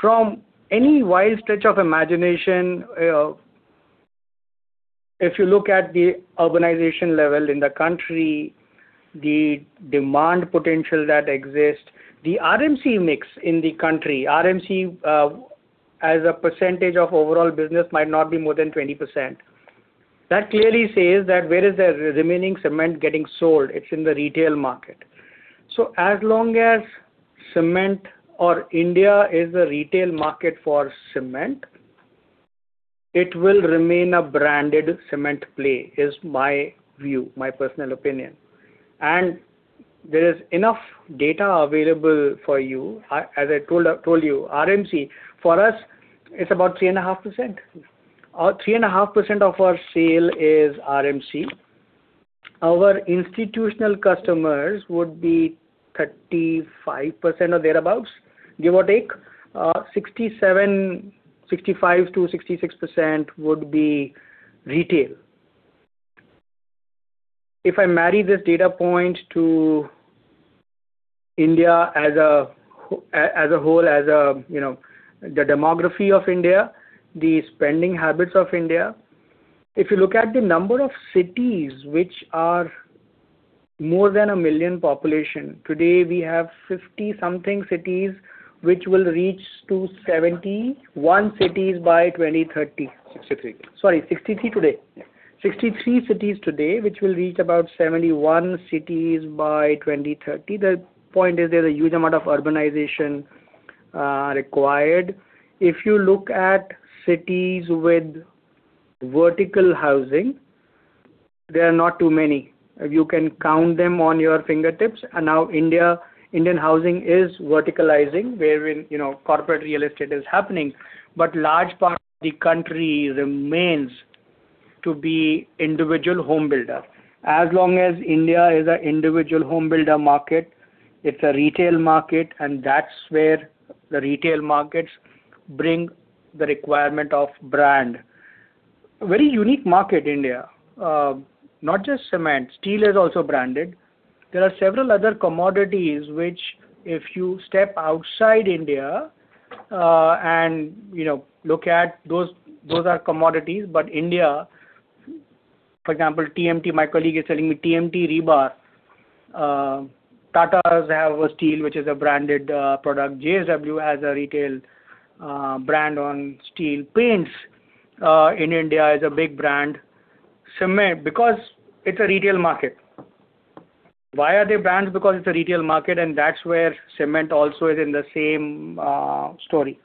From any wild stretch of imagination, if you look at the urbanization level in the country, the demand potential that exists, the RMC mix in the country, RMC as a percentage of overall business might not be more than 20%. That clearly says that where is the remaining cement getting sold? It's in the retail market. As long as cement or India is a retail market for cement, it will remain a branded cement play is my view, my personal opinion. There is enough data available for you. As I told you, RMC, for us, it's about 3.5%. 3.5% of our sale is RMC. Our institutional customers would be 35% or thereabouts, give or take. 65%-66% would be retail. If I marry this data point to India as a whole, as the demography of India, the spending habits of India. If you look at the number of cities which are more than a million population, today, we have 50-something cities which will reach to 71 cities by 2030. 63. Sorry, 63 today. 63 cities today which will reach about 71 cities by 2030. The point is there's a huge amount of urbanization required. If you look at cities with vertical housing, they are not too many. You can count them on your fingertips. Now Indian housing is verticalizing wherein corporate real estate is happening, but large parts of the country remains to be individual home builder. As long as India is an individual home builder market, it's a retail market, and that's where the retail markets bring the requirement of brand. Very unique market, India. Not just cement. Steel is also branded. There are several other commodities which if you step outside India, and look at those are commodities. India, for example, TMT, my colleague is telling me TMT rebar. Tatas have a steel, which is a branded product. JSW has a retail brand on steel. Paints in India is a big brand. Cement, because it's a retail market. Why are they brands? Because it's a retail market, and that's where cement also is in the same story.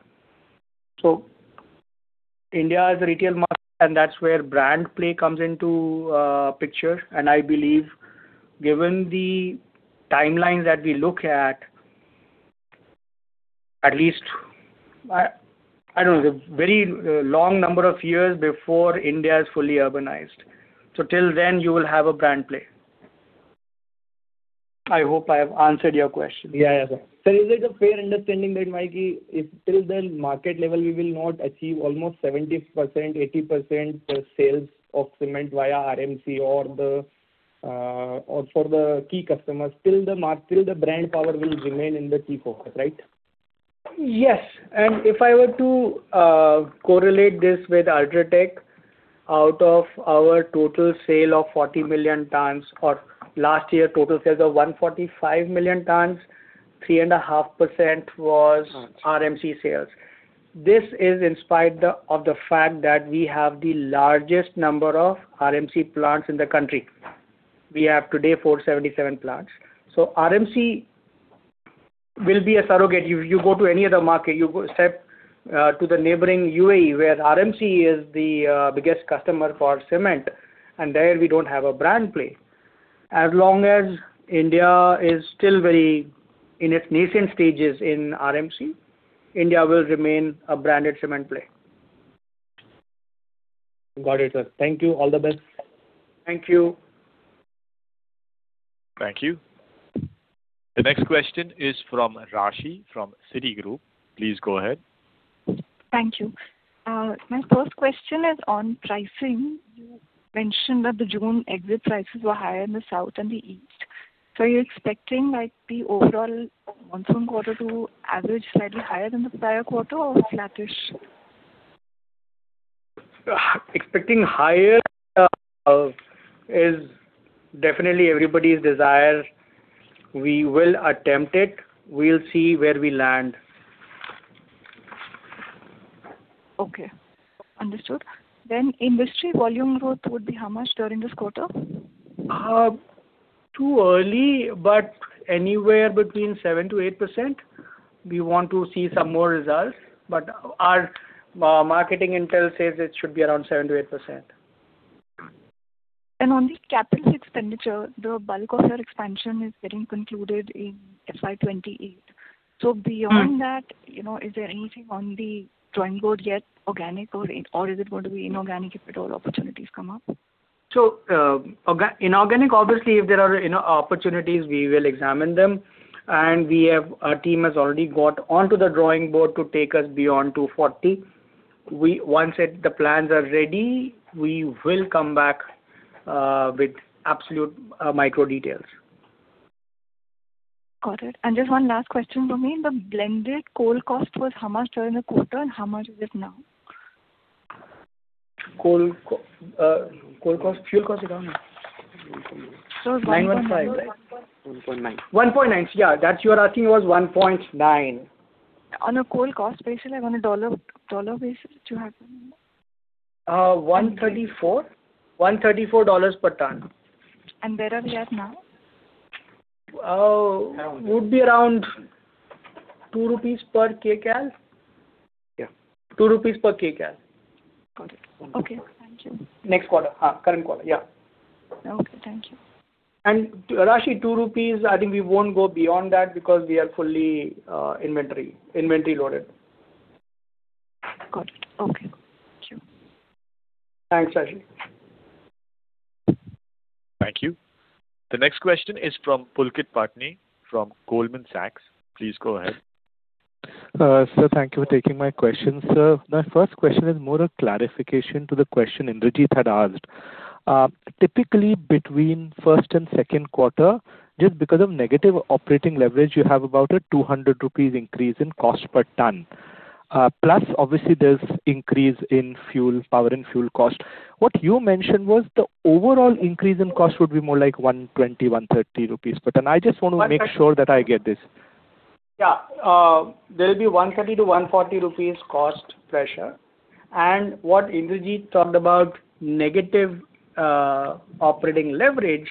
India is a retail market, and that's where brand play comes into picture. I believe given the timelines that we look at least, I don't know, a very long number of years before India is fully urbanized. Till then you will have a brand play. I hope I have answered your question. Yeah. Sir, is it a fair understanding that till then market level we will not achieve almost 70%-80% sales of cement via RMC or for the key customers. Till the brand power will remain in the key focus, right? Yes. If I were to correlate this with UltraTech, out of our total sale of 40 million tonnes or last year total sales of 145 million tonnes, 3.5% was [inaudible] RMC sales. This is in spite of the fact that we have the largest number of RMC plants in the country. We have today 477 plants. RMC will be a surrogate. You go to any other market, you step to the neighboring UAE where RMC is the biggest customer for cement. There we don't have a brand play. As long as India is still very in its nascent stages in RMC, India will remain a branded cement play. Got it, sir. Thank you. All the best. Thank you. Thank you. The next question is from Raashi, from Citigroup. Please go ahead. Thank you. My first question is on pricing. You mentioned that the June exit prices were higher in the south and the east. Are you expecting the overall monsoon quarter to average slightly higher than the prior quarter or flattish? Expecting higher is definitely everybody's desire. We will attempt it. We'll see where we land. Okay. Understood. Industry volume growth would be how much during this quarter? Too early, but anywhere between 7%-8%. We want to see some more results, but our marketing intel says it should be around 7%-8%. On the capital expenditure, the bulk of your expansion is getting concluded in FY 2028. Beyond that, is there anything on the drawing board yet organic, or is it going to be inorganic if at all opportunities come up? Inorganic, obviously, if there are opportunities, we will examine them. Our team has already got onto the drawing board to take us beyond 240 million tonnes. Once the plans are ready, we will come back with absolute micro details. Got it. Just one last question from me. The blended coal cost was how much during the quarter, and how much is it now? Coal cost, fuel cost is how much? 1.9 per kcal. 1.9 per kcal. Yeah, that you are asking was 1.9 per kcal. On a coal cost basis, like on a dollar basis, do you have? $134 per ton. Where are we at now? Would be around 2 rupees per kcal. Yeah. 2 rupees per kcal. Got it. Okay. Thank you. Next quarter. Current quarter, yeah. Okay, thank you. Raashi, 2 rupees per kcal, I think we won't go beyond that because we are fully inventory loaded. Got it. Okay, cool. Thank you. Thanks, Raashi. Thank you. The next question is from Pulkit Patni, from Goldman Sachs. Please go ahead. Sir, thank you for taking my question. Sir, my first question is more a clarification to the question Indrajit had asked. Typically, between first and second quarter, just because of negative operating leverage, you have about a 200 rupees increase in cost per tonne. Plus obviously there's increase in power and fuel cost. What you mentioned was the overall increase in cost would be more like INR120-INR 130 per tonnes. I just want to make sure that I get this. Yeah. There'll be 130-140 rupees per tonne cost pressure. What Indrajit talked about, negative operating leverage,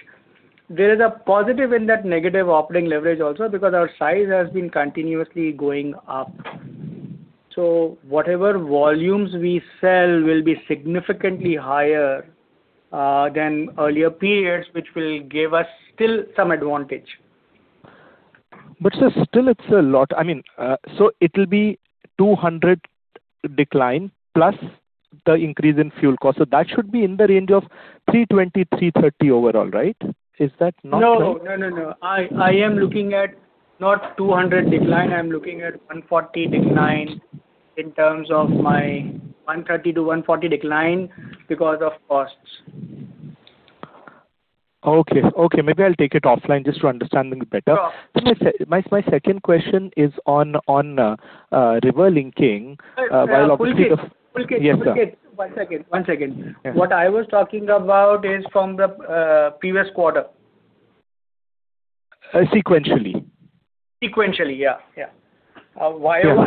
there is a positive in that negative operating leverage also because our size has been continuously going up. Whatever volumes we sell will be significantly higher than earlier periods, which will give us still some advantage. Sir, still it's a lot. It'll be 200 per tonne decline plus the increase in fuel cost. That should be in the range of 320-330 per tonne overall, right? Is that not right? No. I am looking at not 200 per tonne decline, I'm looking at 140 per tonne decline in terms of my 130- 140 per tonne decline because of costs. Okay. Maybe I'll take it offline just to understand things better. Sure. My second question is on river linking while obviously the. Pulkit. Yes, sir. Pulkit, one second. Yeah. What I was talking about is from the previous quarter. Sequentially. Sequentially. Yeah. Sure. I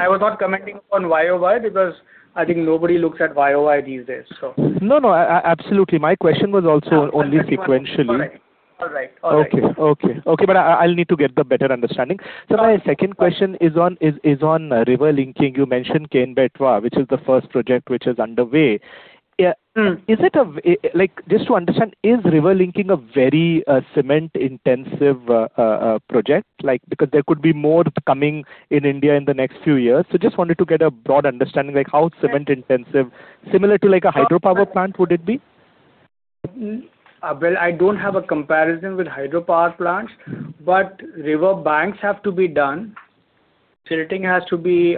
was not commenting on Y-o-Y because I think nobody looks at Y-o-Y these days. No, absolutely. My question was also only sequentially. All right. Okay. I'll need to get the better understanding. My second question is on river linking. You mentioned Ken-Betwa, which is the first project which is underway. Just to understand, is river linking a very cement intensive project? There could be more coming in India in the next few years. Just wanted to get a broad understanding, how cement intensive. Similar to a hydropower plant, would it be? Well, I don't have a comparison with hydropower plants, but river banks have to be done. Tilting has to be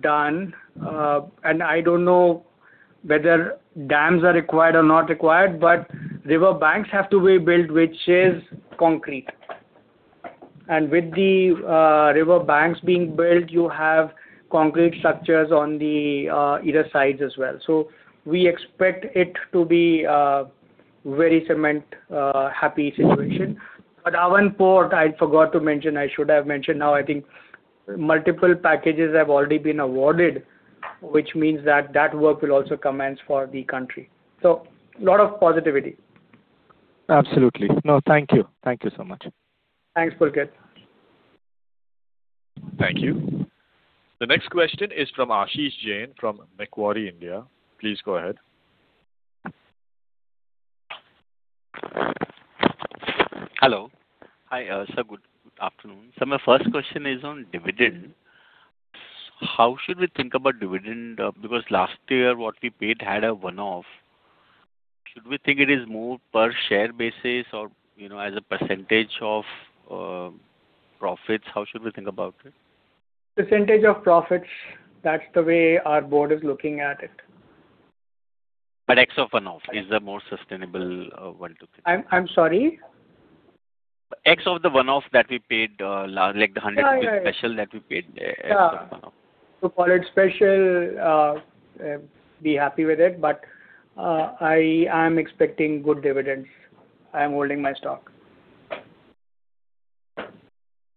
done. I don't know whether dams are required or not required, but river banks have to be built, which is concrete. With the river banks being built, you have concrete structures on the either sides as well. We expect it to be very cement happy situation. Vadhavan Port, I forgot to mention, I should have mentioned now I think multiple packages have already been awarded, which means that that work will also commence for the country. A lot of positivity. Absolutely. No, thank you. Thank you so much. Thanks, Pulkit. Thank you. The next question is from Ashish Jain from Macquarie India. Please go ahead. Hello. Hi, sir. Good afternoon. My first question is on dividend. How should we think about dividend? Because last year what we paid had a one-off. Should we think it is more per share basis or as a percentage of profits? How should we think about it? Percentage of profits. That's the way our Board is looking at it. X of the one-off is the more sustainable one to think. I'm sorry. X of the one-off that we paid, like the. Yeah special that we paid as a one-off. To call it special, be happy with it. I am expecting good dividends. I am holding my stock.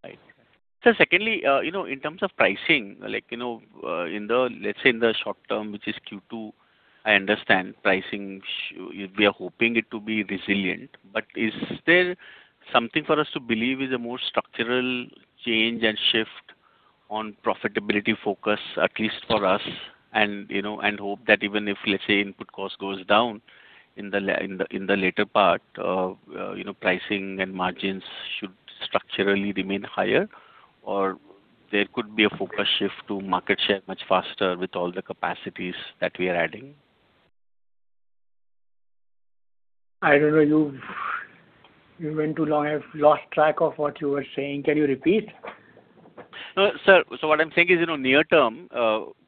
Right. Sir, secondly, in terms of pricing. Let's say in the short term, which is Q2, I understand pricing, we are hoping it to be resilient. Is there something for us to believe is a more structural change and shift on profitability focus, at least for us, and hope that even if, let's say, input cost goes down in the later part, pricing and margins should structurally remain higher? There could be a focus shift to market share much faster with all the capacities that we are adding? I don't know. You went too long. I've lost track of what you were saying. Can you repeat? No, sir. What I'm saying is, near-term,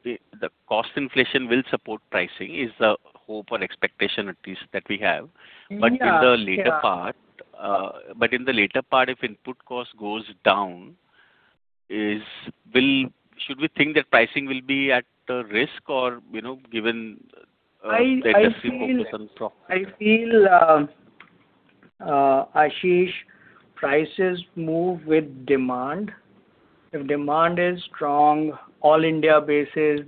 the cost inflation will support pricing is the hope or expectation at least that we have. Yeah. In the later part if input cost goes down, should we think that pricing will be at risk or given the industry focus on profit? I feel, Ashish, prices move with demand. If demand is strong all India basis,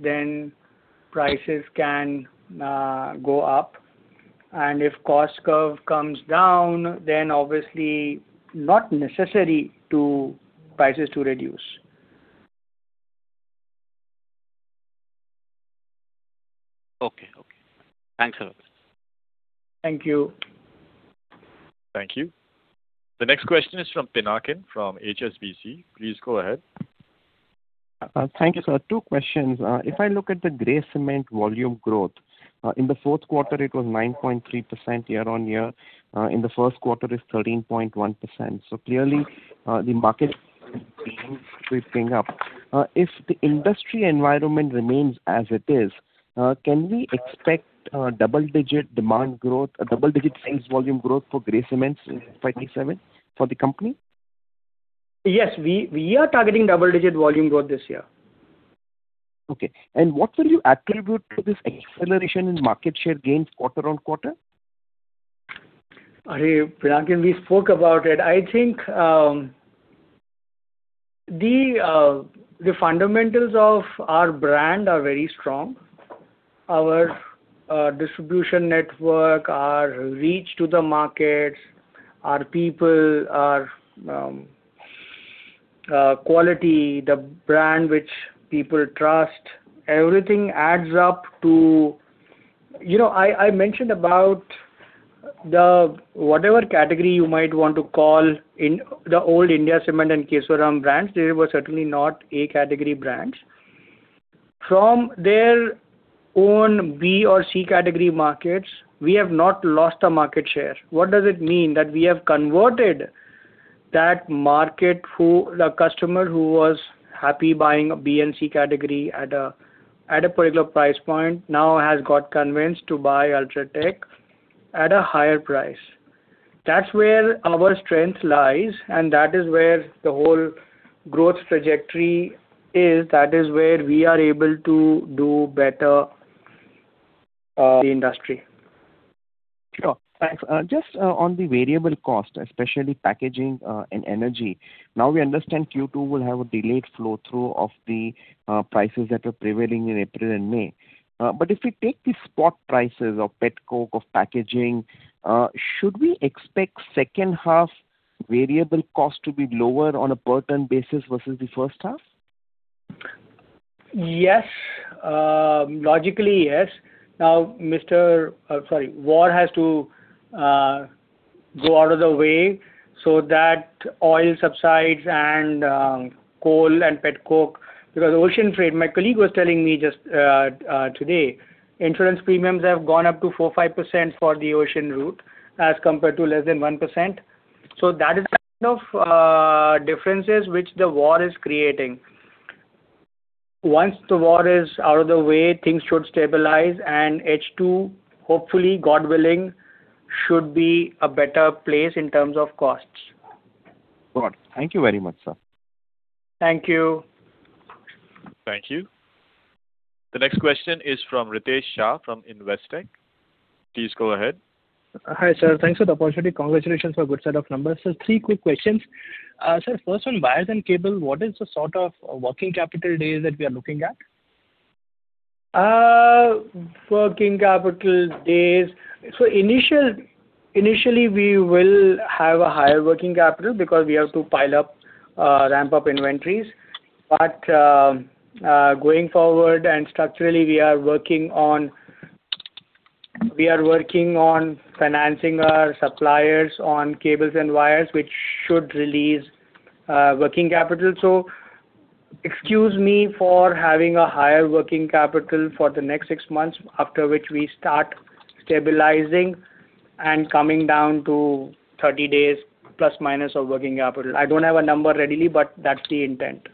prices can go up. If cost curve comes down, then obviously not necessary to prices to reduce. Okay. Thanks a lot. Thank you. Thank you. The next question is from Pinakin from HSBC. Please go ahead. Thank you, sir. Two questions. If I look at the grey cement volume growth, in the fourth quarter it was 9.3% year-on-year. In the first quarter it's 13.1%. Clearly, the market sweeping up. If the industry environment remains as it is, can we expect double-digit demand growth, double-digit sales volume growth for grey cement in FY 2027 for the company? Yes, we are targeting double-digit volume growth this year. Okay. What will you attribute to this acceleration in market share gains quarter-on-quarter? Pinakin, we spoke about it. I think the fundamentals of our brand are very strong. Our distribution network, our reach to the markets, our people, our quality, the brand which people trust, everything adds up to. I mentioned about Whatever category you might want to call the old India Cements and Kesoram brands, they were certainly not A category brands. From their own B or C category markets, we have not lost a market share. What does it mean? We have converted that market, the customer who was happy buying a B and C category at a particular price point now has got convinced to buy UltraTech at a higher price. That's where our strength lies, and that is where the whole growth trajectory is. That is where we are able to do better than the industry. Sure. Thanks. Just on the variable cost, especially packaging and energy. We understand Q2 will have a delayed flow through of the prices that are prevailing in April and May. If we take the spot prices of petcoke, of packaging, should we expect second half variable cost to be lower on a per tonne basis versus the first half? Yes. Logically, yes. War has to go out of the way so that oil subsides and coal and petcoke, because ocean trade, my colleague was telling me just today, insurance premiums have gone up to 4%-5% for the ocean route as compared to less than 1%. That is the kind of differences which the war is creating. Once the war is out of the way, things should stabilize, and H2, hopefully, God willing, should be a better place in terms of costs. Got it. Thank you very much, sir. Thank you. Thank you. The next question is from Ritesh Shah from Investec. Please go ahead. Hi, sir. Thanks for the opportunity. Congratulations for good set of numbers. Three quick questions. Sir, first on Cables & Wires, what is the sort of working capital days that we are looking at? Working capital days. Initially, we will have a higher working capital because we have to ramp up inventories. Going forward and structurally, we are working on financing our suppliers on Cables & Wires, which should release working capital. Excuse me for having a higher working capital for the next six months, after which we start stabilizing and coming down to 30 days± of working capital. I don't have a number readily, but that's the intent.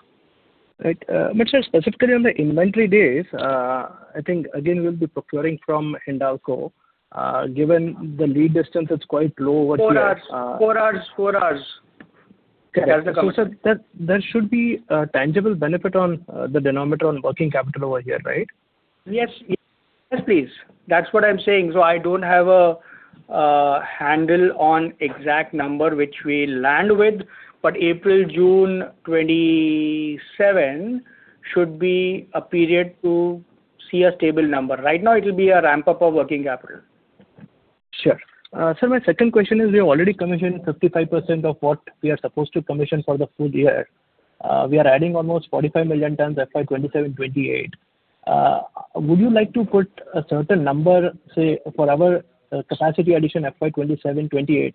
Right. Sir, specifically on the inventory days, I think again, we'll be procuring from Hindalco. Given the lead distance, it's quite low over here. Four hours. Okay. Sir, there should be a tangible benefit on the denominator on working capital over here, right? Yes, please. That's what I'm saying. I don't have a handle on exact number which we land with, but April-June 2027 should be a period to see a stable number. Right now, it'll be a ramp-up of working capital. Sure. Sir, my second question is we have already commissioned 55% of what we are supposed to commission for the full-year. We are adding almost 45 million tonnes FY 2027-2028. Would you like to put a certain number, say, for our capacity addition FY 2027-2028?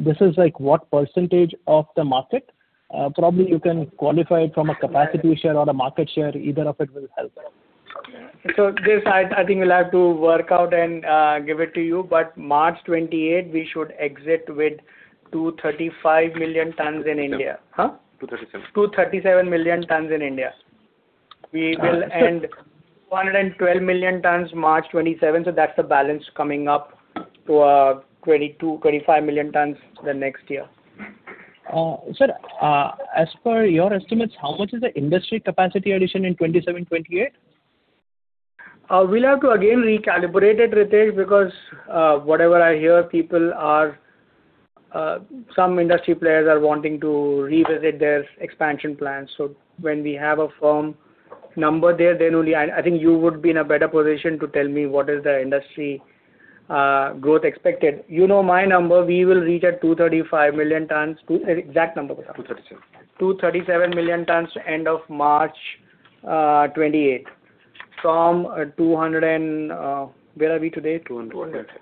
This is like what percentage of the market? Probably you can qualify it from a capacity share or a market share. Either of it will help. This, I think we'll have to work out and give it to you. March 2028, we should exit with 235 million tonnes in India. 237 million tonnes. 237 million tonnes in India. We will end 212 million tonnes March 2027. That's the balance coming up to 22-25 million tonnes the next year. Sir, as per your estimates, how much is the industry capacity addition in 2027-2028? We'll have to again recalibrate it, Ritesh, because whatever I hear, some industry players are wanting to revisit their expansion plans. When we have a firm number there, then only, I think you would be in a better position to tell me what is the industry growth expected. You know my number. We will reach at 235 million tonnes. Exact number. 237 million tonnes. 237 million tonnes end of March 2028 from 200 million tonnes. Where are we today? 200 million tonnes.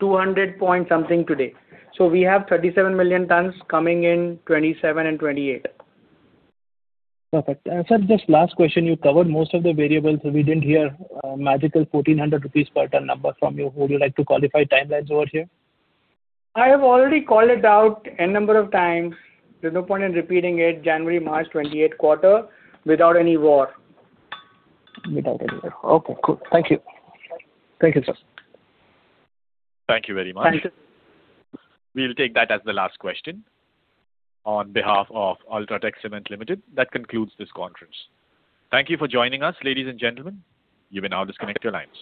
200 point something million tonnes today. We have 37 million tonnes coming in 2027 and 2028. Perfect. Sir, just last question. You covered most of the variables, we didn't hear magical 1,400 rupees per tonne number from you. Would you like to qualify timelines over here? I have already called it out N number of times. There's no point in repeating it. January-March 2028 quarter without any war. Without any more. Okay, cool. Thank you. Thank you, sir. Thank you very much. Thanks. We'll take that as the last question. On behalf of UltraTech Cement Limited, that concludes this conference. Thank you for joining us, ladies and gentlemen. You may now disconnect your lines.